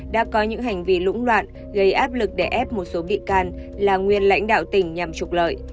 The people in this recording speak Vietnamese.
đã có những hành vi lũng loạn gây áp lực để ép một số bị can là nguyên lãnh đạo tỉnh nhằm trục lợi